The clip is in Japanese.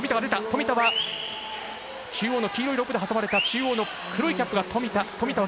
富田は中央の黄色いロープで挟まれた中央の黒いキャップが富田。